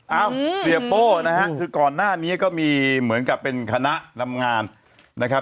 เอ้าเสียโป้นะฮะคือก่อนหน้านี้ก็มีเหมือนกับเป็นคณะนำงานนะครับ